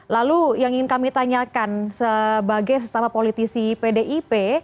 lalu yang ingin kami tanyakan sebagai sesama politisi pdip